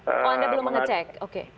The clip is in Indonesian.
oh anda belum ngecek oke